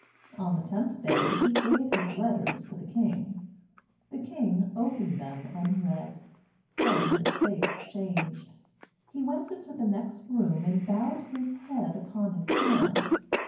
On the tenth day he gave his letters to the King. The King opened them and read. Then his face changed. He went into the next room and bowed his head upon his hands.